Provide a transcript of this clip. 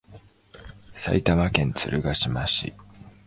埼玉県鶴ヶ島市